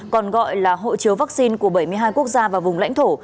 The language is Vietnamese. còn gọi là hộ chiếu vaccine của bảy mươi hai quốc gia và vùng lãnh thổ